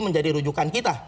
menjadi rujukan kita